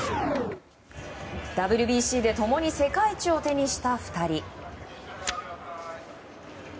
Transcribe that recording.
ＷＢＣで共に世界一を手にした２人。